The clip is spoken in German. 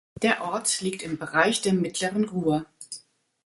Der Ort liegt im Bereich der mittleren Ruhr.